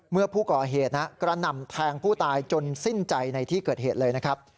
เมื่อผู้ก่อเหตุกระหน่ำแทงผู้ตายจนสิ้นใจในที่เกิดเหตุเลยนะครับ